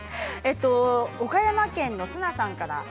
岡山県の方です。